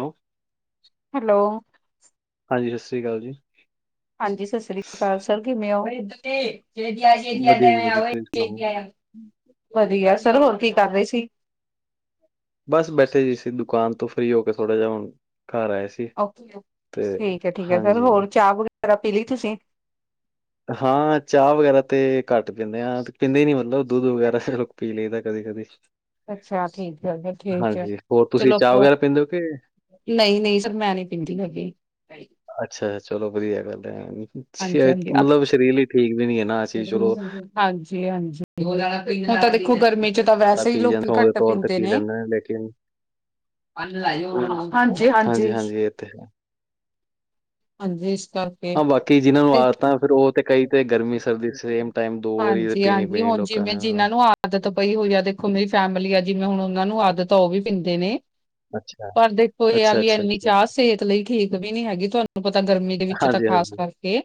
ਹੈੋ hello ਹਾਂਜੀ ਸਤਿ ਸ਼੍ਰੀ ਅਕਾਲ ਜੀ ਹਾਂਜੀ ਸਤਿ ਸ੍ਰੀ ਅਕਾਲ ਸਰ ਕਿਵੇਂ ਔ, ਤੁਸੀ ਵਧੀਆ ਜੀ ਵਧੀਆ ਤੁਸੀਂ ਸੁਣਾਓ? ਵਧੀਆ ਸਰ ਹੋਰ ਕੀ ਕਰ ਰਹੇ ਸੀ ਬਸ ਬੈਠੇ ਜੀ ਸੀ ਦੁਕਾਨ ਤੋਂ ਫ੍ਰੀ ਹੋ ਕੇ ਥੋੜਾ ਜਿਹਾ, ਹੁਣ ਘਾਰ ਆਏ ਸੀ ਓਕੇ ਤੇ ਠੀਕ ਠੀਕ ਹੈ ਸਰ ਹਾਂਜੀ। ਹੋਰ ਚਾਹ ਵਗੈਰਾ ਪੀ ਲਈ ਤੁਸੀਂ ਹਾਂ ਚਾਹ ਵਗੈਰਾ ਤੇ ਘੱਟ ਪੀਂਦੇ ਆਂ ਪੀਂਦੇ ਹੀ ਨੀ, ਮਤਲਬ ਦੁੱਧ ਵਗੈਰਾ ਲੋਕ ਪੀ ਲਈਦਾ ਕਦੀ ਕਦੀ ਅੱਛਾ ਠੀਕ ਹੈ ਫਿਰ ਠੀਕ ਹੈ ਹੋਰ ਤੁਸੀਂ ਚਲੋ ਚਾਹ ਵਗੈਰਾ ਪੀਂਦੇ ਹੋ ਕਿ ਨਹੀਂ ਨਹੀਂ ਸਰ ਮੈਂ ਨੀ ਪੀਂਦੀ ਕਦੀ ਅੱਛਾ ਚਲੋ ਵਧੀਆ ਗੱਲ ਹੈ ਹਾਂਜੀ ਹਾਂਜੀ ਮਤਲਬ ਸਰੀਰ ਲਈ ਠੀਕ ਵੀ ਨਹੀਂ‌ ਹੈ ਨਾ ਆ ਚੀਜ਼ ਚਲੋ ਹਾਂਜੀ ਹਾਂਜੀ ਹੁਣ ਤਾਂ ਦੇਖੋ ਗਰਮੀ ਚ ਚ, ਤਾਂ ਚਾਹ ਵੈਸੇ ਹੀ ਪੀ ਜਾਂਦੇ ਲੋਕੀ ਸ਼ੌਕ ਦੇ ਘੱਟ ਤੌਰ ਤੇ ਪੀਂਦੇ ਪੀ ਨੇ ਲੈਂਦੇ ਹਾਂ, ਲੇਕਿਨ ਹਾਂਜੀ ਹਾਂਜੀ ਹਾਂਜੀ-ਹਾਂਜੀ ਇਹ ਤੇ ਹੈ। ਹਾਂਜੀ ਇਸ ਕਰਕੇ ਹਾਂ ਬਾਕੀ ਜਿਹਨਾਂ ਨੂੰ ਆਦਤਾਂ, ਫਿਰ ਉਹ ਤੇ ਕਈ ਤੇ ਗਰਮੀ ਸਰਦੀ ਸੇਮ ਟਾਈਮ ਦੋ ਵਾਰੀ ਪੀਣੀ ਪੀਣੀ ਲੋਕਾਂ ਨੇ ਹਾਂ। ਜਿਹਨਾਂ ਨੂੰ ਆਦਤ ਪਈ ਹੋਈ ਆ ਦੇਖੋ ਮੇਰੀ ਫੈਮਿਲੀ ਆ ਜਿਵੇਂ ਹੁਣ ਉਹਨਾਂ ਨੂੰ ਆਦਤ ਉਹ ਵੀ ਪੀਂਦੇ ਨੇ ਅੱਛਾ ਪਰ ਦੇਖੋ ਇਹ ਆ ਅੱਛਾ, ਵੀ ਅੱਛਾ, ਇੰਨੀ ਅੱਛਾ ਚਾਹ ਸਿਹਤ ਲਈ ਠੀਕ ਵੀ ਨਹੀਂ ਹੈਗੀ, ਤੁਹਾਨੂੰ ਪਤਾ ਗਰਮੀ ਦੇ ਵਿੱਚ ਤਾਂ ਹਾਂਜੀ, ਖਾਸ ਹਾਂਜੀ ਕਰ ਤੇ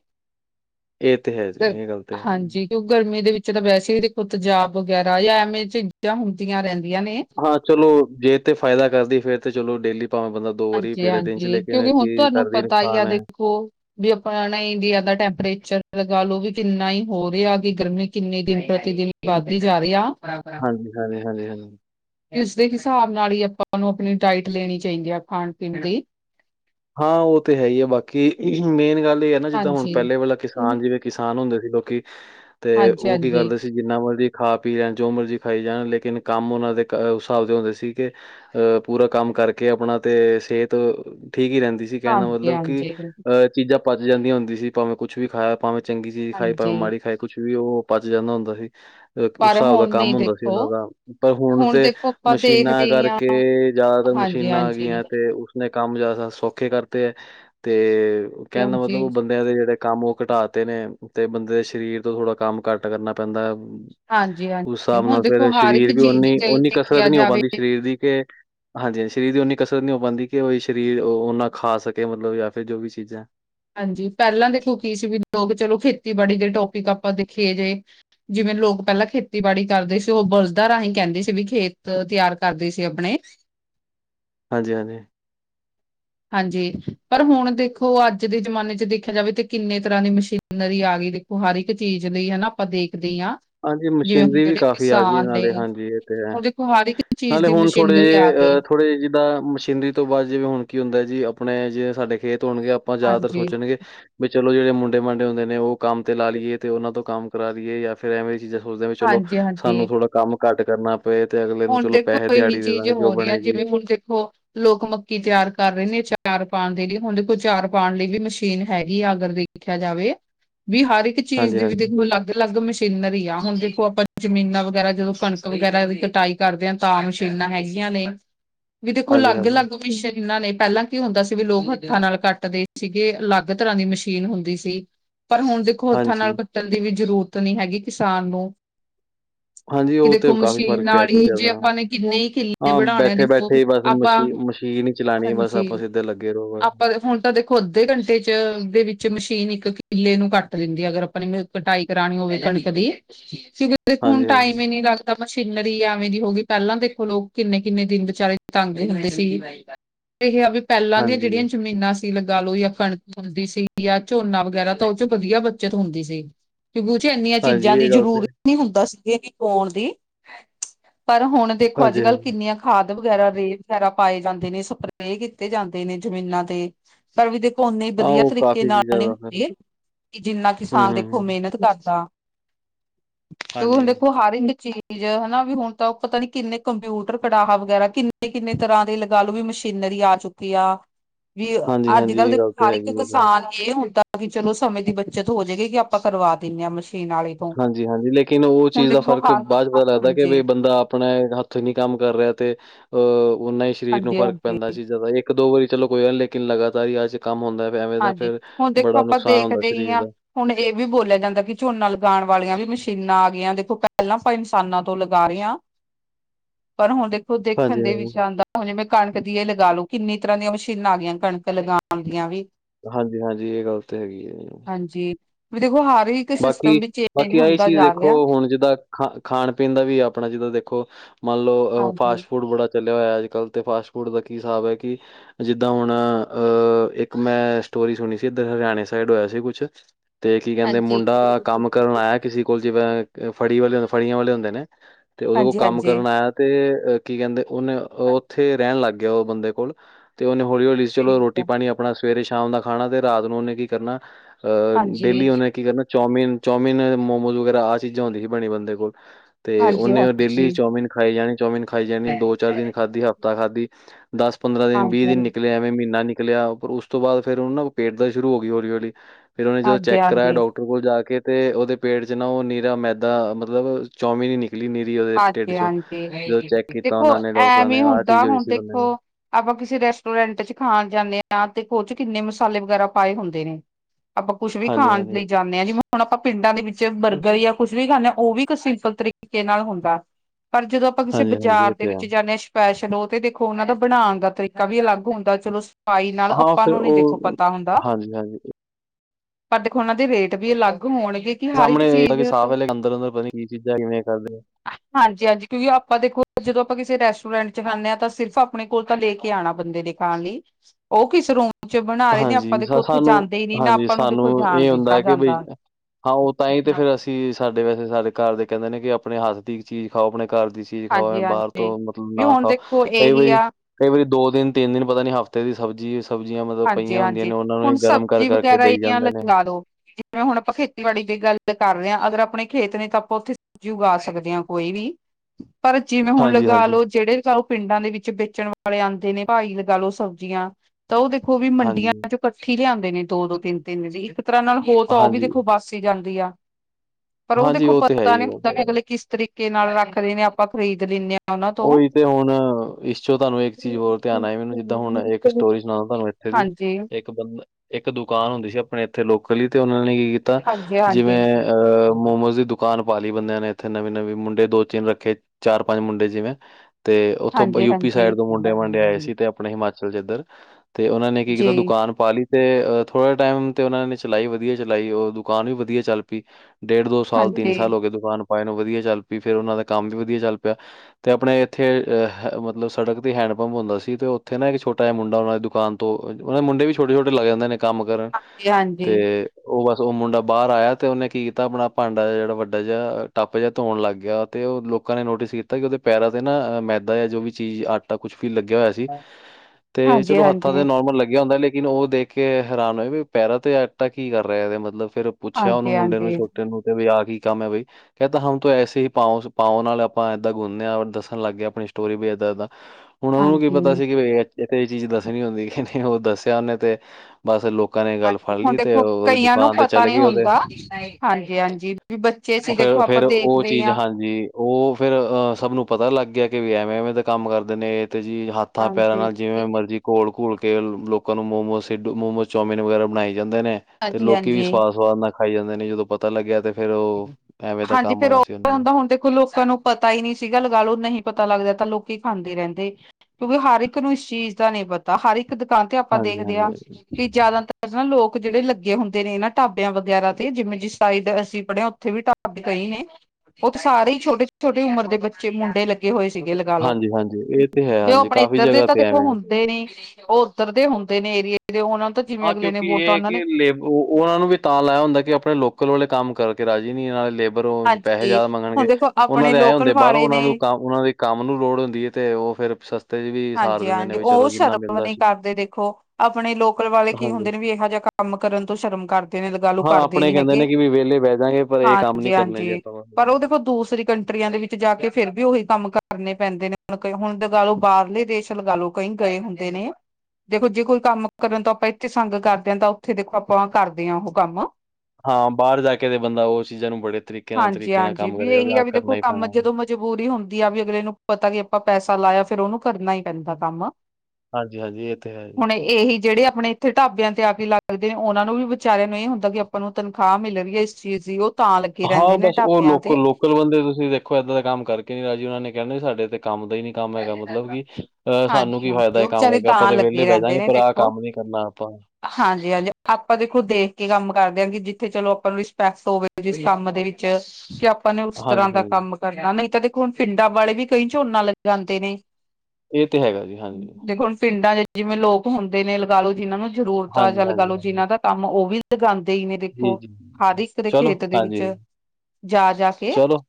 ਇਹ ਤੇ ਹੈ ਜੀ ਇਹ ਗੱਲ ਤੇ ਹੈ। ਹਾਂਜੀ ਕਿਉ ਗਰਮੀ ਦੇ ਵਿੱਚ ਤਾਂ ਵੈਸੇ ਹੀ ਦੇਖੋ ਤਜ਼ਾਬ ਵਗੈਰਾ ਜਾਂ ਐਵੇਂ ਚੀਜ਼ਾਂ ਹੁੰਦੀਆਂ ਰਹਿੰਦੀਆਂ ਨੇ ਹਾਂ ਚਲੋ ਜੇ ਤੇ ਫਾਇਦਾ ਕਰਦੀ ਫੇਰ ਤੇ ਚਲੋ ਡੇਲੀ ਭਾਵੇਂ ਬੰਦਾ ਦੋ ਵਾਰੀ ਪੀਲੇ ਦਿਨ ਚ ਹਾਂਜੀ-ਹਾਂਜੀ ਲੇਕਿਨ ਅ ਕਿਉਂਕਿ ਹੁਣ ਤੁਹਾਨੂੰ ਸਰਦੀ ਪਤਾ ਹੀ ਨੁਕਸਾਨ ਆ ਹੈ ਦੇਖੋ ਵੀ ਅੱਪਾਂ ਨਾ ਇੰਡੀਆ ਦਾ ਟੈਂਪਰੇਚਰ, ਲਗਾ ਲੋ ਵੀ ਕਿੰਨਾ ਹੀ ਹੋ ਰਿਹਾ ਕਿ ਗਰਮੀ ਕਿੰਨੀ ਦਿਨ, ਪ੍ਰਤੀ-ਦਿਨ ਵੱਧਦੀ ਜਾ ਰਹੀ ਆ। ਹਾਂਜੀ, ਹਾਂਜੀ, ਹਾਂਜੀ ਉਸਦੇ ਹਿਸਾਬ ਨਾਲ ਹੀ ਆਪਾਂ ਨੂੰ ਆਪਣੀ ਡਾਇਟ ਲੈਣੀ ਚਾਹੀਦੀ ਆ ਖਾਣ-ਪੀਣ ਦੀ। ਹਾਂ ਓ ਤੇ ਹੈ ਹੀ ਏ, ਬਾਕੀ ਮੇਨ ਗੱਲ ਏਹ ਨਾ ਜਿੱਦਾਂ ਹੁਣ ਹਾਂਜੀ ਪੈਲੇ ਵਾਲਾ ਹਾਂਜੀ ਕਿਸਾਨ ਜਿਵੇ ਕਿਸਾਨ ਹੁੰਦੇ ਸੀ ਲੋਕੀ, ਤੇ ਹਾਂਜੀ ਓ ਕੀ ਹਾਂਜੀ ਕਰਦੇ ਸੀ ਸੀ, ਜਿੰਨਾ ਮਰਜੀ ਖਾ ਪੀ ਲੈਣ, ਜੋ ਮਰਜੀ ਖਾਈ ਜਾਣ ਲੇਕਿਨ ਕੰਮ ਓਨਾਂ ਦੇ ਹਿਸਾਬ ਦੇ ਹੁੰਦੇ ਸੀਗੇ ਅ ਪੂਰਾ ਕੰਮ ਕਰਕੇ ਅਪਣਾ ਤੇ, ਸੇਹਤ ਠੀਕ ਈ ਰੈਂਦੀ ਸੀ। ਕੈਣ ਦਾ ਮਤਲਬ ਕਿ, ਹਾਂਜੀ ਅ ਚੀਜਾ ਪਚ ਜਾਂਦੀਆਂ ਹੁੰਦੀ ਸੀ, ਪਾਵੇ ਕੁਛ ਵੀ ਖਾਯਾ, ਪਾਵੇ ਚੰਗੀ ਚੀਜ ਖਾਈ, ਪਾਵੇ ਹਾਂਜੀ ਮਾੜੀ ਖਾਈ, ਕੁਛ ਵੀ ਓਹ ਪਚ ਜਾਂਦਾ ਹੁੰਦਾ ਹੀ। ਉਸ ਪਰ ਸਾਬ ਦਾ ਹੁਣ ਕੰਮ ਨਹੀਂ ਹੁੰਦਾ ਸੀ ਦੇਖੋ ਓਨਾਂ ਦਾ, ਪਰ ਹੁਣ ਤੇ ਦੇਖੋ ਆਪਾਂ ਮਸ਼ੀਨਾਂ ਦੇਖਦੇ ਹੀ ਹਾਂ ਕਰਕੇ ਜਾਦਾਤਰ ਹਾਂਜੀ ਮਸ਼ੀਨਾਂ ਆ ਹਾਂਜੀ ਗਈਆਂ ਤੇ ਆਪਨੇ ਕੰਮ ਜਾਦਾ ਸੌਖੇ ਕਰਤੇ ਐ, ਤੇ ਕੈਣ ਦਾ ਹਾਂਜੀ ਮਤਲਬ ਓ ਬੰ ਬੰਦੇਆਂ ਦੇ ਜੇੜੇ ਕੰਮ ਓ ਘਟਾਤੇ ਨੇ, ਤੇ ਬੰਦੇ ਦੇ ਸਰੀਰ ਤੋਂ ਥੋੜਾ ਕੰਮ ਘੱਟ ਕਰਨਾ ਪੈਂਦਾ। ਹਾਂਜੀ ਉਸ ਹਾਂਜੀ ਸਾਬ ਹੁਣ ਨਾਲ ਫੇਰ ਦੇਖੋ ਹਰ ਇੱਕ ਸ਼ਰੀਰ ਵੀ ਚੀਜ਼ ਓਨੀ, ਜੇ ਓਨੀ ਕਸਰਤ ਦੇਖਿਆ ਨਈ ਓ ਜਾਵੇ ਪਾਂਦੀ ਸਰੀਰ ਦੀ ਕੇ ਹਾਂਜੀ ਹਾਂ, ਸਰੀਰ ਦੀ ਉਨੀ ਕਸਰਤ ਨਹੀਂ ਹੋ ਪਾਂਦੀ ਕੇ ਓ ਸਰੀਰ ਓਨਾ ਖਾ ਸਕੇ, ਮਤਲਬ ਜਾਂ ਫੇਰ ਜੋ ਵੀ ਚੀਜਾ ਹਾਂਜੀ, ਪੈਲਾਂ ਦੇਖੋ ਕੀ ਸੀ ਵੀ ਲੋਕ ਚਲੋ ਖੇਤੀਬਾੜੀ ਦੇ ਟੋਪਿਕ ਆਪਾ ਦੇਖੀਏ ਜੇ ਜਿਵੇ ਲੋਕ ਪੈਲਾਂ ਖੇਤੀਬਾੜੀ ਕਰਦੇ ਸੀ, ਓ ਬੋਲਦਾ ਰਾਹੀਂ ਕੈਂਦੇ ਸੀ, ਵੀ ਖੇਤ ਤਿਆਰ ਕਰਦੇ ਸੀ ਅਪਣੇ। ਹਾਂਜੀ, ਹਾਂਜੀ। ਹਾਂਜੀ, ਪਰ ਹੁਣ ਦੇਖੋ ਅੱਜ ਦੇ ਜਮਾਨੇ ਚ ਦੇਖਿਆ ਜਾਵੇ ਤੇ ਕਿੰਨੇ ਤਰਾ ਦੀ ਮਸ਼ੀਨ ਨਰੀ ਆ ਗਈ ਦੇਖੋ, ਹਰ ਇੱਕ ਚੀਜ ਲਈ ਹਨਾ ਆਪਾਂ ਦੇਖਦੇ ਹੀ ਆ। ਹਾਂਜੀ ਮਸ਼ੀਨਰੀ ਵੀ ਕਾਫੀ ਆ ਗਈ ਨਾਲੇ, ਹਾਂਜੀ ਏ ਤੇ ਹੈ, ਹੁਣ ਦੇਖੋ ਹਰ ਇੱਕ ਚੀਜ਼ ਨਾਲੇ ਦੀ ਹੁਣ ਥੋੜੇ ਮਸ਼ੀਨਰੀ ਆ ਗਈ, ਅ ਥੋੜੇ ਜਿੱਦਾਂ, ਮਸ਼ੀਨੀ ਤੋ ਬਾਅਦ ਜਿਵੇਂ ਹੁਨ ਕੀ ਹੁੰਦਾ ਜੀ, ਅਪਣੇ ਜਿਵੇ ਸਾਡੇ ਖੇਤ ਹੋਣਗੇ ਅੱਪਾ ਜਾਦਾਤਰ ਹਾਂਜੀ, ਸੋਚਣਗੇ ਵੀ ਚਲੋ ਜੇੜੇ ਮੁੰਡੇ ਮਾਂਡੇ ਹੁੰਦੇ ਨੇ, ਓ ਕੰਮ ਤੇ ਲਾ ਲਈਏ ਤੇ ਓਨਾਂ ਤੋਂ ਕੰਮ ਕਰਾ ਲਈਏ ਯਾ ਫਿਰ ਐਵੇ ਚੀਜਾ ਸੋਚਦੇ ਵੇ ਚਲੋ, ਹਾਂਜੀ-ਹਾਂਜੀ। ਸਾਨੂੰ ਥੋੜਾ ਕੰਮ ਘੱਟ ਕਰਨਾ ਪਏ ਤੇ ਅਗਲੇ ਨੂੰ ਹੁਣ ਚਲੋ ਦੇਖੋ ਪੈਸੇ ਏਹੀ ਦਿਹਾੜੀ ਦੇ ਚੀਜ ਦਾਂਗੇ ਜੋ ਹੋ ਰਹੀ ਐ, ਬਣੇਗੀ ਜਿਵੇ ਹੁਣ ਦੇਖੋ ਲੋਕ ਮੱਕੀ ਤਿਆਰ ਕਰ ਰਹੇ ਨੇ ਚਾਰ ਪਾਣ ਦੇ ਲਈ, ਹੁਨ ਦੇਖੋ ਚਾਰ ਪਾਣ ਲਈ ਵੀ ਮਸ਼ੀਨ ਹੈਗੀ ਆ ਅਗਰ ਦੇ ਦੇਖਿਆ ਜਾਵੇ ਵੀ ਹਰ ਏੱਕ ਚੀਜ਼ ਹਾਂਜੀ, ਹਾਂਜੀ, ਦੇ ਵਿੱਚ ਦੇਖ ਅਲਗ ਅਲੱਗ ਮਸ਼ੀਨਰੀ ਆ, ਹੁਣ ਦੇਖੋ ਆਪਾਂ ਜਮੀਨਾਂ ਵਗੈਰਾ ਜਦੋ ਕਣਕ ਵਗੈਰਾ ਦੀ ਕਟਾਈ ਕਰਦੇ ਆ ਤਾ ਮਸ਼ੀਨਾਂ ਹੈਗੀਆਂ ਨੇ, ਵੀ ਦੇਖੋ ਹਾਂਜੀ, ਅਲੱਗ ਹਾਂਜੀ, ਲੱਗ ਮੀਸ਼ੀਨਾ ਨੇ, ਪੈਲਾਂ ਕੀ ਹੁੰਦਾ ਸੀ ਵੀ ਲੋਕ ਹੱਥਾਂ ਨਾਲ ਕੱਟਦੇ ਸੀਗੇ ਲੱਗ ਤਰਾਂ ਦੀ ਮਸ਼ੀਨ ਹੁੰਦੀ ਸੀ। ਪਰ ਹੁਣ ਦੇਖੋ ਹੱਥਾਂ ਨਾਲ ਹਾਂਜੀ, ਕੱਟਣ ਦੀ ਵੀ ਜਰੂਰਤ ਨਹੀ ਹੈਗੀ ਕਿਸਾਨ ਨੂੰ। ਹਾਂਜੀ ਕਿ ਉਹ ਦੇਖੋ ਤੇ ਕਾਫ਼ੀ ਮਸ਼ੀਨ ਫ਼ਰਕ ਪਿਆ ਨਾਲ ਈ ਚੀਜ਼ਾਂ ਜੇ ਦਾ ਅੱਪਾਂ ਨੇ ਕਿੰਨੇ ਹੀ ਕਿੱਲੇ ਹਾਂ, ਬੜਾਣੇ ਆ ਦੇਖੋ, ਬੈਠੇ-ਬੈਠੇ ਹੀ ਬਸ ਅੱਪਾਂ, ਮਸ਼ੀ ਮਸ਼ੀਨ ਹੀ ਚਲਾਣੀ ਹੈ, ਬਸ ਆਪਾਂ ਹਾਂਜੀ ਸਿੱਧੇ ਲੱਗੇ ਰਹੋ ਬਸ ਅਪ ਪਰ ਹੁਣ ਤਾਂ ਦੇਖੋ ਅੱਧੇ ਘੰਟੇ ਚ, ਦੇ ਵਿੱਚ ਮਸ਼ੀਨ ਇੱਕ ਕਿਲੇ ਨੂੰ ਕੱਟ ਲੈਂਦੀ ਆ ਅਗਰ ਅਪਣੀ ਕਟਾਈ ਕਰਾਣੀ ਹੋਵੇ ਕਣਕ ਦੀ, ਕਿਯੁਕੇ ਦੇਖੋ ਹੁਨ ਹਾਂਜੀ, ਟਾਈਮ ਹਾਂਜੀ, ਹੀ ਨੀ ਲੱਗਦਾ, ਮਸ਼ੀਨਰੀ ਆ ਐਵੇ ਦੀ ਹੋ ਗਈ, ਪੈਲਾਂ ਦੇਖੋ ਲੋਕ ਕਿੰਨੇ ਕਿੰਨੇ ਦਿਨ ਵਿਚਾਰੇ ਤੰਗ ਹੁੰਦੇ ਸੀਗੇ, ਏਹ ਹਾ ਕਿ ਪੈਲਾਂ ਦੀਆਂ ਜੇੜੀਆਂ ਹਾਂਜੀ, ਜਮੀਨਾਂ ਸੀ ਲਗਾ ਲਓ ਯਾ ਕਣਕ ਹੁੰਦੀ ਸੀ ਯਾ ਝੋਨਾ ਵਗੈਰਾ ਤਾ ਓ ਚੋਂ ਵਧੀਆ ਬੱਚਤ ਹੁੰਦੀ ਸੀ। ਕਿਉਕਿ ਉੇ ਏਨੀਆਂ ਚੀਜਾ ਹਾਂਜੀ ਦੀ ਇਹ ਗੱਲ ਜਰੂਰਤ ਤੇ ਨੀ ਹੁੰਦਾ ਸੀ ਕਾਓਣ ਦੀ। ਪਰ ਹੁਣ ਦੇਖੋ ਹਾਂਜੀ, ਹਾਂਜੀ। ਅੱਜ-ਕੱਲ ਕਿੰਨੀਆ ਖਾਦ ਵਗੈਰਾ, ਰੇ ਵਗੈਰਾ ਪਾਏ ਜਾਂਦੇ ਨੇ ਸਪਰੇ ਕੀਤੇ ਜਾਂਦੇ ਨੇ ਜਮੀਨਾ ਤੇ ਪਰ ਵੀ ਦੇਖੋ ਓਨੇ ਹਾਂ ਵਧੀਆ ਉਹ ਤਰੀਕੇ ਕਾਫ਼ੀ ਚੀਜ਼ਾਂ ਨਾਲ ਹੀ ਦਾ ਫਿਰ ਹੂੰਦੀ ਏ। ਕਿ ਜਿੰਨਾ ਹੂੰ ਕਿਸਾਨ ਹੂੰ ਦੇਖੋ ਹੂੰ। ਮੇਨਤ ਕਰਦਾ ਲੋਰ ਹਾਂਜੀ। ਦੇਖੋ ਹਰ ਏੱਕ ਚੀਜ ਦੀ ਆ, ਹਨਾ ਵੀ ਹੁਨ ਤਾ ਓ ਪਤਾ ਨੀ ਕਿੰਨੇ ਕੰਪਿਊਟਰ, ਕੜਾਹਾ ਵਗੈਰਾ ਕਿੰਨੇ ਕਿੰਨੇ ਤਰਾਂ ਦੇ ਲਗਾ ਲੋ ਵੀ ਮਸ਼ੀਨਰੀ ਆ ਚੁੱਕੀ ਆ। ਵੀ ਹਾਂਜੀ-ਹਾਂਜੀ ਅੱਜ-ਕੱਲ ਇਹ ਦੇ ਗੱਲ ਤੇ ਹਰ ਇਕ ਹੈਗੀ ਏ। ਕਿਸਾਨ ਇਹ ਹੁੰਦਾ ਕਿ ਚਲੋ ਸਮੇਂ ਦੀ ਬੱਚਤ ਹੋ ਜਾਏਗੀ, ਕਿ ਆਪਾਂ ਕਰਵਾ ਦਿੰਦੇ ਹਾਂ ਮਸ਼ੀਨ ਆਲੇ। ਹਾਂਜੀ, ਹਾਂਜੀ ਲੇਕਿਨ ਔਹ ਚੀਜ਼ ਦਾ ਫ਼ਰਕ ਬਾਅਦ ਚ ਪਤਾ ਲੱਗਦਾ ਕਿ ਹਾਂਜੀ ਵੀ ਬੰਦਾ ਆਪਣਾ ਏ ਹੱਥ ਨੀ ਕੰਮ ਕਰ ਰਿਹਾ ਤੇ ਅਹ ਔਹਨਾ ਹੀ ਸਰੀਰ ਨੂੰ ਹਾਂਜੀ ਫ਼ਰਕ ਹਾਂਜੀ ਪੈਂਦਾ ਚੀਜ਼ਾਂ ਦਾ ਏ ਇੱਕ ਦੋ ਵਾਰੀ ਚਲੋ ਕੋਈ ਗੱਲ ਨੀ ਲੇਕਿਨ ਲਗਾਤਾਰ ਹੀ ਆਜ ਕੰਮ ਹੁੰਦਾ ਹੈ ਐਵੇਂ ਦਾ, ਹਾਂਜੀ ਫੇਰ ਹੁਣ ਦੇਖੋ ਬੜਾ ਆਪਾਂ ਨੁਕਸਾਨ ਹੁੰਦਾ ਦੇਖਦੇ ਹੀ ਸਰੀਰ ਹਾਂ ਦਾ। ਹੁਣ ਇਹ ਵੀ ਬੋਲਿਆ ਜਾਂਦਾ ਕਿ ਝੋਨਾ ਲਗਾਣ ਵਾਲੀਆਂ ਵੀ ਮਸ਼ੀਨਾਂ ਆ ਗਈਆਂ ਦੇਖੋ ਪਹਿਲਾਂ ਕਿਸਾਨਾਂ ਤੋਂ ਲਗਾ ਰੇ ਹਾ। [inaudible] ਪਰ ਹੁਣ ਦੇਖੋ ਦੇਖਣ ਦੇ ਵੀਚ ਹਾਂਜੀ-ਹਾਂਜੀ, ਆੰਦਾ ਹੁਣ ਜਿਵੇਂ ਕਣਕ ਦੀ ਇਹ ਲਗਾ ਲਓ, ਕਿੰਨੀ ਤਰ੍ਹਾਂ ਦੀਆਂ ਮਸ਼ੀਨਾਂ ਆ ਗਈਆਂ ਕਣਕ ਤੇ ਲਗਾਣ ਦੀਆਂ ਵੀ। ਹਾਂਜੀ, ਹਾਂਜੀ ਇਹ ਗੱਲ ਤੇ ਹੈਗੀ ਏ। ਜੀ ਵੀ ਦੇਖੋ ਹਾਰ ਹੀ ਬਾਕੀ, ਬਾਕੀ ਆਹੀ ਚੀਜ਼ ਦੇਖੋ ਹੁਣ ਜਿੱਦਾਂ ਖਾ ਖਾਣ ਪੀਣ ਦਾ ਵੀ ਆ ਆਪਣਾ ਜਿੱਦਾਂ ਦੇਖੋ ਮੰਨ ਲਓ ਹਾਂਜੀ ਫਾਸਟ- ਫੂਡ ਬੜਾ ਚਲਯਾ ਹੋਇਆ ਅੱਜ -ਕੱਲ੍ਹ ਤੇ ਫਾਸਟ- ਫੂਡ ਦਾ ਕੀ ਹਿਸਾਬ ਹੈ ਕਿ ਜਿੱਦਾਂ ਹੁਣ ਅ ਇੱਕ ਮੈਂ ਸਟੋਰੀ ਸੁਣੀ ਸੀ ਇਧਰ ਹਰਿਆਣੇ ਸਾਈਡ ਹੋਇਆ ਸੀ ਕੁਛ ਤੇ ਕੀ ਕਹਿੰਦੇ ਮੁੰ ਹਾਂਜੀ ਕਰਨ ਆਇਯਾ ਕਿਸੇ ਕੋਲ, ਜਿਵੇਂ ਫੜੀ ਵਾਲੇ ਫੜੀਆਂ ਵਾਲੇ ਹੁੰਦੇ ਨੇ ਤੇ ਔਹਦੇ ਕੋਲ ਹਾਂਜੀ ਕੰਮ ਹਾਂਜੀ ਕਰਨ ਆਇਆ ਤੇ ਕੀ ਕਹਿੰਦੇ ਔਹਨੇ ਔਥੇ ਰਹਿਣ ਲੱਗ ਗਿਆ ਔਹ ਬੰਦੇ ਕੋਲ ਤੇ ਔਹਨੇ ਹੌਲੀ- ਹੌਲੀ ਚਲੋ ਠੀਕ ਰੋਟੀ ਆ ਪਾਣੀ ਆਪਣਾ ਸਵੇਰੇ ਸ਼ਾਮ ਦਾ ਖਾਣਾ ਤੇ ਰਾਤ ਨੂੰ ਉਹਨੇ ਕੀ ਕਰਨਾ ਅਹ ਹਾਂਜੀ ਡੇਲੀ ਉਹਨੇ ਕੀ ਕਰਨਾ। ਚੌਮਿਨ -ਚੌਮਿਨ ਮੋਮੋਸ ਵਗੈਰਾ ਆਹ ਚੀਜ਼ਾਂ ਹੁੰਦੀ ਸੀ ਬਣੀ ਬੰਦੇ ਕੋਲ ਤੇ ਹਾਂਜੀ ਹਾਂਜੀ ਉਹਨੇ ਉਹ ਡੇਲੀ ਹਾਂਜੀ ਚੌਮਿਨ ਖਾਈ ਜਾਣੀ, ਚੌਮਿਨ ਖਾਈ ਜਾਣੀ ਦੋ ਚਾਰ ਦਿਨ ਖਾਧੀ, ਹਫ਼ਤਾ ਖਾਧੀ। ਦਸ ਪੰਦਰਾਂ ਦਿਨ ਵੀਹ ਦਿਨ ਹਾਂਜੀ ਨਿਕਲੇ ਐਵੇਂ ਮਹੀਨਾ ਨਿਕਲਿਆ। ਪਰ ਉਸ ਤੋਂ ਬਾਅਦ ਫਿਰ ਉਹ ਨਾ ਪੇਟ ਦਾ ਸ਼ੁਰੂ ਹੋ ਗਈ ਹੌਲੀ, ਹੌਲੀ ਫ਼ਿਰ ਉਹਨੇ ਜਦੋਂ ਚੈੱਕ ਕਰਇਆ ਹਾਂਜੀ ਡਾਕਟਰ ਡਾਕਟਰ ਕੋਲ ਜਾ ਕੇ ਤੇ ਉਹਦੇ ਪੇਟ ਚ ਨਾ ਉਹ ਨੀਰਾ ਮੈਦਾ ਮਤਲਬ ਚੌਮੀਨ ਹੀ ਨਿਕਲ ਲੀ ਨਿਰੀ ਉਹਦੇ ਢਿੱਡ ਚੋਂ, ਹਾਂਜੀ ਜਦੋਂ ਹਾਂਜੀ ਚੈੱਕ ਕੀਤਾ ਦੇਖੋ ਉਹਨਾਂ ਨੇ ਡਾਕਟਰਾਂ ਨੇ ਐਵੇਂ ਆਹ ਹੁੰਦਾ ਚੀਜ਼ ਹੋਈ ਹੁਣ ਸੀ ਬੰਦੇ ਦੇਖੋ ਨੂੰ ਆਪਾਂ ਕਿਸੇ ਰੈਸਟੋਰੈਂਟ ਚ ਖਾਣ ਜਾਂਦੇ ਹਾਂ, ਤੇ ਕੁਛ ਕਿੰਨੇ ਮਸਾਲੇ ਵਗੈਰਾ ਪਾਏ ਹੁੰਦੇ ਨੇ। ਆਪਾਂ ਕੁਛ ਵੀ ਖਾਣ ਹਾਂਜੀ-ਹਾਂਜੀ, ਲਈ ਜਾ ਖਦੇ ਹਾਂ ਜਿਵੇਂ ਹੁਣ ਆਪਾਂ ਪਿੰਡਾਂ ਦੇ ਵਿੱਚ ਬਰਗਰ ਜਾਂ ਕੁੱਝ ਵੀ ਖਾਂਦੇ ਆਂ, ਉਹ ਵੀ ਇਕ ਸਿੰਪਲ ਤਰੀਕੇ ਨਾਲ ਹੁਣ ਪਰ ਜਦੋਂ ਆਪਾਂ ਕਿਸੇ ਹਾਂਜੀ-ਹਾਂਜੀ ਬਾਜ਼ਾਰ ਇਹ ਦੇ ਤੇ ਹੈ। ਵਿੱਚ ਜਾਂਦੇ ਹਾਂ ਸਪੈਸ਼ਲ ਉਹ ਤੇ ਦੇਖੋ ਉਹਨਾਂ ਦਾ ਬਣਾਉਣ ਦਾ ਤਰੀਕਾ ਵੀ ਅਲੱਗ ਹੁੰਦਾ, ਚਲੋ ਭਾਈ ਨਾਲ ਹਾਂ ਆਪਾਂ ਫਿਰ ਨੂੰ ਨੀ ਦੇਖੋ ਉਹ ਪਤਾ ਹੁੰਦਾ। ਹਾਂਜੀ-ਹਾਂਜੀ ਪਰ ਦੇਖੋ ਉਹਨਾਂ ਦੇ ਰੇਟ ਵੀ ਅਲੱਗ ਹੋਣਗੇ। ਕਿ ਹਰ ਇੱਕ ਸਾਹਮਣੇ ਚੀਜ਼ ਸਾਫ਼ ਹੈ ਲੈ ਕੇ ਅੰਦਰ, ਅੰਦਰ ਪਤਾ ਕੀ ਚੀਜ਼ਾਂ ਕਿਵੇਂ ਕਰਦੇ ਆ। ਹਾਂਜੀ, ਹਾਂਜੀ ਕਿਉਂਕਿ ਆਪਾਂ ਦੇਖੋ ਜਦੋਂ ਆਪਾਂ ਕਿਸੇ ਰੈਸਟੋਰੈਂਟ ਚ ਖਾਂਦੇ ਹਾਂ, ਤਾਂ ਸਿਰਫ ਆਪਣੇ ਕੋਲ ਤਾਂ ਲੈ ਕੇ ਆਉਣਾ ਬੰਦੇ ਨੇ ਥਾਲੀ, ਉਹ ਕਿਸ ਰੂਮ ਕੁਛ ਬਣਾ ਰਹੇ ਨੇ ਹਾਂਜੀ ਆਪਾਂ ਸਾ ਦੇਖੋ ਉੱਥੇ ਸਾਨੂੰ ਜਾਂਦੇ ਹੀ ਨੀ ਨਾ ਹਾਂਜੀ ਆਪਾਂ ਨੂੰ ਸਾਨੂੰ ਦੇਖੋ ਜਾਣ ਇਹ ਹੁੰਦਾ ਦਿੱਤਾ ਹੈ ਕਿ ਬਈ ਜਾਂਦਾ। ਹਾਂ ਉਹ ਤਾਂ ਹੀ ਤੇ ਫੇਰ ਅਸੀਂ ਸਾਡੇ ਵੈਸੇ ਸਾਡੇ ਘਰ ਦੇ ਕਹਿੰਦੇ ਨੇ, ਕਿ ਆਪਣੇ ਹੱਥ ਦੀ ਚੀਜ਼ ਖਾਓ ਆਪਣੇ ਘਰ ਦੀ ਚੀਜ਼ ਚੀਜ਼ ਖਾਓ, ਏ ਬਾਹਰ ਹਾਂਜੀ-ਹਾਂਜੀ ਤੋਂ ਮਤਲਬ ਵੀ ਨਾ ਹੁਣ ਖਾਓ ਦੇਖੋ ਕਈ ਇਹੀ ਵਾਰੀ ਆ ਕਈ ਵਾਰੀ ਦੋ ਦਿਨ ਤਿੰਨ ਦਿਨ ਪਤਾ ਨੀ ਹਫ਼ਤੇ ਦੀ ਸਬਜ਼ੀ ਏ ਸਬਜ਼ੀਆਂ ਮਤਲਬ ਹਾਂਜੀ, ਪਈਆਂ ਹੁੰਦੀਆਂ ਹਾਂਜੀ ਨੇ ਉਹਨਾਂ ਹੁਣ ਨੂੰ ਗਰਮ ਕਰ ਸਬਜ਼ੀ ਕਰਕੇ ਵਗੈਰਾ ਦੇਈ ਇਹਦੀਆਂ ਜਾਂਦੇ ਨੇ ਲੰਗਾ ਲੋ। ਜਿਵੇਂ ਹੁਣ ਆਪਾਂ ਖੇਤੀਬਾੜੀ ਦੀ ਗੱਲ ਕਰ ਰਹੇ ਹਾਂ, ਅਗਰ ਆਪਣੇ ਖੇਤ ਨੇ ਤਾਂ ਆਪਾਂ ਉੱਥੇ ਜੀ ਉਗਾ ਸਕਦੇ ਹਾਂ ਕੋਈ ਵੀ, ਪਰ ਜਿਵੇਂ ਹੁਣ ਹਾਂਜੀ ਲਗਾ ਹਾਂਜੀ ਲੋਓ ਜਿਹੜੇ ਤੁਹਾਡੇ ਪਿੰਡਾਂ ਦੇ ਵਿੱਚ ਵੇਚਣ ਵਾਲੇ ਆਉਂਦੇ ਨੇ ਭਾਈ ਲਗਾ ਲੋ ਸਬਜ਼ੀਆਂ, ਤਾਂ ਉਹ ਦੇਖੋ ਵੀ ਮੰਡੀਆਂ ਹਾਂਜੀ ਚ ਇਕੱਠੀ ਲਿਆਂਦੇ ਨੇ ਦੋ-ਦੋ, ਤਿੰਨ -ਤਿੰਨ ਦਿਨ ਦੀ ਇੱਕ ਤਰ੍ਹਾਂ ਨਾਲ ਹੋਰ ਤਾਂ ਉਹ ਵੀ ਹਾਂਜੀ ਦੇਖੋ ਬਾਸੀ ਹੀ ਜਾਂਦੀ ਆ। ਪਰ ਉਹ ਹਾਂਜੀ ਦੇਖੋ ਤੇ ਹੈ ਪਤਾ ਨੀ ਹੁੰਦਾ ਹੀ ਅਗਲੇ ਕਿਸ ਤਰੀਕੇ ਨਾਲ ਰੱਖਦੇ ਨੇ, ਆਪਾਂ ਖਰੀਦ ਲੈਂਦੇ ਹਾਂ। ਉਹਨਾਂ ਤੋਂ ਉਹੀ ਤੇ ਹੁਣ ਇਸ ਚੋ ਤੁਹਾਨੂੰ ਇੱਕ ਚੀਜ਼ ਹੋਰ ਧਿਆਨ ਆਏ, ਮੈਨੂੰ ਜਿੱਦਾਂ ਹੁਣ ਇੱਕ ਸਟੋਰੇਜ ਸੁਣਾ ਤੁਹਾਨੂੰ ਇੱਥੇ ਦੀ, ਹਾਂਜੀ, ਇੱਕ ਬੰਦਾ ਇੱਕ ਦੁਕਾਨ ਹੁੰਦੀ ਸੀ, ਆਪਣੇ ਇੱਥੇ ਲੋਕਲ ਹੀ ਤੇ ਉਹਨਾਂ ਨੇ ਕੀ ਕੀਤਾ। ਹਾਂਜੀ-ਹਾਂਜੀ, ਜਿਵੇਂ ਅ ਮੋਮੋਜ਼ ਦੀ ਦੁ ਦੁਕਾਨ ਪਾ ਲਈ ਬੰਦਿਆਂ ਨੇ ਇੱਥੇ ਨਵੇਂ ਨਵੇਂ ਮੁੰਡੇ ਦੋ ਤਿੰਨ ਰੱਖੇ ਚਾਰ ਪੰਜ ਮੁੰਡੇ ਜਿਵੇਂ ਤੇ ਉੱਥੋਂ ਯੂਪੀ ਹਾਂਜੀ-ਹਾਂਜੀ, ਸਾਈਡ ਤੋਂ ਮੁੰਡੇ ਮਾਡੇ ਆਏ ਸੀ, ਤੇ ਆਪਣੇ ਹਿਮਾਚਲ ਚ ਇਧਰ ਤੇ ਉਹਨਾਂ ਨੇ ਕੀ ਕੀਤਾ ਜੀ, ਦੁਕਾਨ ਪਾ ਲਈ ਤੇ ਥੋੜੇ ਟਾਈਮ ਤੇ ਉਹਨਾਂ ਨੇ ਚਲਾਈ, ਵਧੀਆ ਚਲਾਈ ਉਹ ਦੁਕਾਨ ਵੀ ਵਧੀਆ ਚੱਲ ਪਈ। ਡੇਢ ਦੋ ਸਾਲ ਤਿੰਨ ਹਾਂਜੀ। ਸਾਲ ਹੋ ਗਏ ਦੁਕਾਨ ਪਾਈ, ਨੂੰ ਵਧੀਆ ਚੱਲ ਪਈ। ਫਿਰ ਉਹਨਾਂ ਦਾ ਕੰਮ ਵੀ ਵਧੀਆ ਚੱਲ ਪਿਆ। ਤੇ ਆਪਣੇ ਇੱਥੇ ਹ ਮਤਲਬ ਸੜਕ ਤੇ ਹੈਂਡ ਪੰਪ ਹੁੰਦਾ ਸੀ। ਤੇ ਉੱਥੇ ਨਾ ਇੱਕ ਛੋਟਾ ਜਿਹਾ ਮੁੰਡਾ ਹੁੰਦਾ ਸੀ। ਦੁਕਾਨ ਤੇ ਉਹ ਦੇ ਮੁੰਡੇ ਵੀ ਛੋਟੇ ਛੋਟੇ ਲੱਗ ਜਾਂਦੇ ਨੇ ਕੰਮ ਕਰਨ ਹਾਂਜੀ-ਹਾਂਜੀ, ਤੇ ਹਾਂਜੀ-ਹਾਂਜੀ, ਉਹ ਬਸ ਉਹ ਮੁੰਡਾ ਬਾਹਰ ਆਇਆ ਤੇ ਉਹਨੇ ਕੀ ਕੀਤਾ ਆਪਣਾ ਭਾਂਡਾ ਜਿਹੜਾ ਵੱਡਾ ਜਿਹਾ ਟੱਪ ਜਿਹਾ ਧੋਣ ਲੱਗ ਗਿਆ। ਤੇ ਉਹ ਲੋਕਾਂ ਨੇ ਨੋਟਿਸ ਕੀਤਾ। ਕਿ ਉਹਦੇ ਪੈਰਾਂ ਤੇ ਨਾ ਮੈਦਾ ਜਾਂ ਜੋ ਵੀ ਚੀਜ਼ ਆਟਾ ਕੁਛ ਵੀ ਲੱਗਿਆ ਹੋਇਆ ਸੀ। ਤੇ ਚਲੋ ਹੱਥਾਂ ਹਾਂਜੀ-ਹਾਂਜੀ, ਤੇ ਨੋਰਮਲ ਲੱਗਿਆ ਹੁੰਦਾ ਲੇਕਿ ਨ ਉਹ ਦੇਖ ਕੇ ਹੈਰਾਨ ਹੋਏ ਵੀ ਪੈਰਾਂ ਤੇ ਆਟਾ ਕੀ ਕਰ ਰਿਹਾ। ਇਹਦੇ ਮਤਲਬ ਫਿਰ ਪੁੱਛਿਆ ਉਹਨੂੰ ਮੁੰਡੇ ਨੂੰ ਹਾਂਜੀ। ਛੋਟੇ ਨੂੰ ਆ ਕੀ ਕੰਮ ਹੈ ਬਈ ਕਹਿ ਦਾ ਹਮ ਤੋਂ ਐਸੇ ਹੀ ਪਾਓ ਸੇ ਪਾਓ ਨਾਲ ਆਪਾਂ ਏਦਾਂ ਗੁਣ ਦੱਸਣ ਲੱਗ ਗਿਆ ਆਪਣੀ ਸਟੋਰੀ ਵੀ ਏਦਾਂ ਏਦਾਂ ਹੁਣ ਉਹਨਾਂ ਨੂੰ ਕੀ ਹਾਂਜੀ, ਪਤਾ ਹਾਂਜੀ, ਸੀ। ਕਿ ਬਾਈ ਏ ਜਿੱਥੇ ਇਹ ਚੀਜ਼ ਦੱਸਣੀ ਹੁੰਦੀ ਕਿ ਨਹੀ ਉਹ ਦੱਸਿਆ ਉਹਨੇ ਤੇ ਬਸ ਲੋਕਾਂ ਨੇ ਗੱਲ ਫੜ ਹਾਂਜੀ। ਹੁਣ ਲਈ ਤੇ। ਦੇਖੋ ਉਹ ਓਦੀ ਕਈਆਂ ਨੂੰ ਦੁਕਾਨ ਤੇ ਪਤਾ ਚਲੇ ਨੀ ਗਏ ਉਹਦੇ ਹੁੰਦਾ, ਹਾਂਜੀ-ਹਾਂਜੀ। ਵੀ ਬੱਚੇ ਸੀ ਉਹ ਦੇਖੋ ਫਿਰ ਆਪਾਂ ਫਿਰ ਉਹ ਦੇਖਦੇ ਹੀ ਚੀਜ਼ ਹਾਂ, ਹਾਂਜੀ ਉਹ ਫਿਰ ਅਹ ਸਭ ਨੂੰ ਪਤਾ ਲੱਗ ਗਿਆ। ਕਿ ਵੀ ਐਵੇਂ ਐਵੇਂ ਦਾ ਕੰਮ ਕਰਦੇ ਨੇ ਇਹ ਤੇ ਜੀ ਹੱਥਾਂ ਪੈਰਾਂ ਹਾਂਜੀ, ਨਾਲ ਜਿਵੇਂ ਮਰਜ਼ੀ ਘੋਲ ਘੋਲ ਕੇ ਲੋਕਾਂ ਨੂੰ ਮੋਮੋਸ ਡ ਮੋਮੋਸ ਚੋਮਿਨ ਵਗੈਰਾ ਬਣਾਏ ਜਾਂਦੇ ਨੇ ਤੇ ਲੋਕੀ ਵੀ ਹਾਂਜੀ-ਹਾਂਜੀ। ਸਵਾਦ ਸਵਾਦ ਨਾਲ ਖਾਈ ਜਾਂਦੇ ਨੇ ਜਦੋਂ ਪਤਾ ਪਤਾ ਲੱਗਿਆ ਤੇ ਫਿਰ ਉਹ ਐਵੇਂ ਦਾ ਹਾਂਜੀ ਕੰਮ ਫੇਰ ਹੋਇਆ ਉਹ ਸੀ ਉਹਨਾਂ ਨੂੰ ਹੁੰਦਾ ਹੁਣ ਦੇਖੋ ਲੋਕ ਸਾਨੂੰ ਪਤਾ ਹੀ ਨਹੀ ਸੀਗਾ ਲਗਾ ਲੋ ਨਹੀਂ ਪਤਾ ਲੱਗਦਾ ਤਾਂ ਲੋਕੀ ਖਾਂਦੇ ਰਹਿੰਦੇ। ਕਿਉਂਕਿ ਹਰ ਇੱਕ ਨੂੰ ਇਸ ਚੀਜ਼ ਦਾ ਨੀ ਪਤਾ ਹਰ ਇੱਕ ਦੁਕਾਨ ਤੇ ਆਪਾਂ ਹਾਂਜੀ ਦੇਖਦੇ ਹਾਂਜੀ ਹਾਂ, ਕਿ ਜਿਆਦਾਤਰ ਪਰ ਨਾ ਲੋਕ ਜਿਹੜੇ ਲੱਗੇ ਹੁੰਦੇ ਨੇ ਨਾ ਢਾਬਿਆਂ ਵਗੈਰਾ ਤੇ ਜਿਵੇਂ ਜਿਸ ਸਾਈਡ ਅਸੀਂ ੱੜਿਆ ਉੱਥੇ ਵੀ ਢਾਬੇ ਕਈ ਨੇ ਉਹਥੇ ਸਾਰੇ ਹੀ ਛੋਟੇ ਛੋਟੀ ਉਮਰ ਦੇ ਬੱਚੇ ਮੁੰਡੇ ਲ ਲਗੇ ਹੋਏ ਸੀਗੇ ਲਗਾ ਲੋ ਹਾਂਜੀ ਹਾਂਜੀ ਇਹ ਹੈ ਤੇ ਉਹ ਹਾਂਜੀ ਆਪਣੇ ਕਾਫ਼ੀ ਇੱਧਰ ਦੇ ਜਗ੍ਹਾ ਤਾਂ ਤੇ ਦੇਖੋ ਐਵੇਂ ਹੁਣ ਦੇ ਨੇ ਉਹ ਉੱਧਰ ਦੇ ਹੁੰਦੇ ਨੇ ਏਰੀਏ ਦੇ ਉਹਨਾਂ ਨੂੰ ਤਾਂ ਜਿਵੇਂ ਹਾਂ ਅਗਲੇ ਨੇ ਕਿਉਂਕਿ ਇਹ ਬੋਲਤਾ ਹੈ ਉਹਨਾਂ ਕਿ ਨੇ ਲੇਬਰ ਉਹ ਉਹਨੂੰ ਵੀ ਤਾਂ ਲਾਇਆ ਹੁੰਦਾ ਕਿ ਆਪਣੇ ਲੋਕਲ ਵਾਲੇ ਕੰਮ ਕਰਕੇ ਰਾਜੀ ਨੀ ਆ ਲੇਬਰ ਰੋਂ ਪੈਸੇ ਹਾਂਜੀ ਜ਼ਿਆਦ ਹੁਣ ਮੰਗਣਗੇ ਦੇਖੋ ਉਹਨਾਂ ਆਪਣੇ ਦੇ ਆਏਂ ਲੋਕਲ ਹੁੰਦੇ ਬਾਹਰੋਂ ਵਾਲੇ ਉਹਨਾਂ ਨੂੰ ਨੇ ਕੰਮ ਉਹਨਾਂ ਦੀ ਕੰਮ ਨੂੰ ਲੋੜ ਹੁੰਦੀ ਹੈ ਤੇ ਉਹ ਫਿਰ ਸਸਤੇ 'ਚ ਵੀ ਸਾਰ ਹਾਂਜੀ ਦਿੰਦੇ ਨੇ ਹਾਂਜੀ ਵੀ ਉਹ ਚਲੋ ਜਿੰਨਾ ਸ਼ਰਮ ਮਿਲਦਾ ਨਹੀ ਸੀ ਕਰਦੇ ਦੇਖੋ। ਆਪਣੇ ਲੋਕਲ ਵਾਲੇ ਕੀ ਹਾਂਜੀ ਹੁੰਦੇ ਨੇ। ਵੀ ਇਹੋ ਜਿਹਾ ਕੰਮ ਕਰਨ ਤੋਂ ਸ਼ਰਮ ਕਰਦੇ ਨੇ। ਲਗਾਲੋ ਹਾਂ ਕਰਦੇ ਆਪਣੇ ਨਹੀ ਕਹਿੰਦੇ ਨੇ ਕਿ ਵੀ ਵਿਹਲੇ ਬਹਿ ਜਾਂਗੇ ਪਰ ਇਹ ਕੰਮ ਨਹੀਂ ਹਾਂਜੀ ਕਰਨੇ ਜੇ ਹਾਂਜੀ ਆਪਾਂ ਪਰ ਬਸ। ਉਹ ਦੇਖੋ ਦੂਸਰੀ ਕੰਟਰੀਆਂ ਦੇ ਵਿੱਚ ਜਾ ਕੇ ਫਿਰ ਵੀ ਉਹੀ ਕੰਮ ਕਰਨੇ ਪੈਂਦੇ ਨੇ। ਹੁਣ ਲਗਾ ਲਓ ਬਾਹਰਲੇ ਦੇਸ਼ ਲਗਾ ਲਓ ਕਈ ਗਏ ਹੁੰਦੇ ਨੇ ਦੇਖੋ ਜੇ ਕੋਈ ਕੰਮ ਕਰਨ ਤੋਂ ਆਪਾਂ ਇੱਥੇ ਸੰਗ ਕਰਦੇ ਹਾਂ। ਤਾਂ ਉੱਥੇ ਦੇਖੋ ਆਪਾਂ ਕਰਦੇ ਹਾਂ ਉਹ ਕੰਮ ਹਾਂ ਬਾਹਰ ਜਾ ਕੇ ਤੇ ਬੰਦਾ ਉਹ ਚੀਜ਼ਾਂ ਨੂੰ ਬੜੇ ਤਰੀਕੇ ਨਾਲ ਤਰੀਕੇ ਨਾਲ ਹਾਂਜੀ-ਹਾਂਜੀ ਕੰਮ ਕਰੇਗਾ ਵੀ ਇਹੀ ਆ ਆਹ ਕਰਨਾ ਦੇਖੋ ਹੀ ਕੰਮ ਪੈਣਾ ਜਦੋਂ ਮਜਬੂਰੀ ਹੁੰਦੀ ਆ। ਵੀ ਅਗਰ ਇਹਨੂੰ ਪਤਾ ਕਿ ਆਪਾਂ ਪੈਸਾ ਲਾਇਆ ਫੇਰ ਉਹਨੂੰ ਕਰਨਾ ਹੀ ਪੈਂਦਾ ਕੰਮ ਹਾਂਜੀ ਹਾਂਜੀ ਇਹ ਤੇ ਹੈ ਜੀ ਹੁਣ ਇਹੀ ਜਿਹੜੇ ਆਪਣੇ ਇੱਥੇ ਢਾਬਿਆਂ ਤੇ ਆ ਕੇ ਲੱਗਦੇ ਨੇ ਉਹਨਾਂ ਨੂੰ ਵੀ ਵਿਚਾਰਿਆਂ ਨੂੰ ਇਹ ਹੁੰਦਾ ਕਿ ਆਪਾਂ ਨੂੰ ਤਨਖਾਹ ਮਿਲ ਰਹੀ ਹੈ। ਇਸ ਚੀਜ਼ ਦੀ ਉਹ ਤਾਂ ਲੱਗੇ ਹਾਂ ਰਹਿੰਦੇ ਨੇ ਬਸ ਉਹ ਢਾਬਿਆਂ ਤੇ ਲੋਕਲ ਲੋਕਲ ਬੰਦੇ ਤੁਸੀਂ ਦੇਖੋ ਇੱਦਾਂ ਦਾ ਕੰਮ ਕਰਕੇ ਨੀ ਰਾਜੀ ਉਹਨਾਂ ਨੇ ਕਹਿਣਾ ਸਾਡੇ ਤੇ ਕੰਮ ਦਾ ਹੀ ਨੀ ਕੰਮ ਹੈਗਾ ਮਤਲਬ ਕਿ ਅਹ ਸਾਨੂੰ ਹਾਂਜੀ ਕੀ ਹਾਂਜੀ ਫਾਇਦਾ ਇਹ ਉਹ ਕੰਮ ਵਿਚਾਰੇ ਹੈਗਾ ਆਪਾਂ ਤਾਂ ਤੇ ਵਿਹਲੇ ਲੱਗੇ ਰਹਿੰਦੇ ਬਹਿਜਾਂਗੇ ਨੇ ਪਰ ਆਹ ਦੇਖੋ ਕੰਮ ਨੀ ਕਰਨਾ ਆਪਾਂ ਹਾਂਜੀ ਹਾਂਜੀ ਆਪਾਂ ਦੇਖੋ ਦੇਖ ਕੇ ਕੰਮ ਕਰਦੇ ਹਾਂ ਕਿ ਜਿੱਥੇ ਚਲੋ ਆਪਾਂ ਨੂੰ ਰਿਸਪੈਕਟ ਹੋਵੇ ਜਿਸ ਕੰਮ ਦੇ ਵਿੱਚ ਕਿ ਆਪ ਆਪਾਂ ਨੇ ਉਸ ਹਾਂਜੀ ਤਰ੍ਹਾਂ ਦਾ ਹਾਂਜੀ ਕੰਮ ਕਰਨਾ ਨਹੀਂ ਤਾਂ ਦੇਖੋ ਹੁਣ ਪਿੰਡਾਂ ਵਾਲੇ ਵੀ ਕਈ ਝੋਨਾ ਲਗਾਉਦੇ ਨੇ ਇਹ ਤੇ ਹੈਗਾ ਜੀ ਹਾਂਜੀ ਦੇਖੋ ਹੁਣ ਪਿੰਡਾਂ ਚ ਜਿਵੇਂ ਲੋਕ ਹੁੰਦੇ ਨੇ ਲਗਾਲੋ ਜਿਨ੍ਹਾਂ ਨੂੰ ਜ਼ਰੂਰਤ ਆ ਹਾਂਜੀ ਲਗਾ ਹਾਂਜੀ ਲਓ ਹਾਂਜੀ ਜਿਹਨਾਂ ਦਾ ਕੰਮ ਉਹ ਵੀ ਲਗਾਂਦੇ ਹੀ ਨੇ ਦੇਖੋ ਜੀ ਜੀ ਹਰ ਇੱਕ ਦੇ ਚਲੋ ਖੇਤ ਦੇ ਹਾਂਜੀ ਵਿੱਚ ਜਾ ਜਾ ਕੇ ਚਲੋ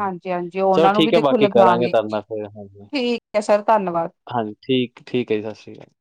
ਹਾਂਜੀ ਹਾਂਜੀ ਚਲੋ ਉਹਨਾਂ ਨੂੰ ਵੀ ਠੀਕ ਹੈ ਦੇਖੋ ਬਾਕੀ ਲਗ ਕਰਾਂਗੇ ਗੇ ਤੁਹਾਡੇ ਨਾਲ ਫਿਰ ਹਾਂਜੀ ਠੀਕ ਹੈ ਸਰ ਧੰਨਵਾਦ ਹਾਂਜੀ ਠੀਕ ਠੀਕ ਹੈ ਜੀ ਸਤਿ ਸ਼੍ਰੀ ਅਕਾਲ